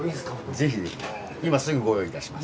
ぜひ今すぐご用意いたします。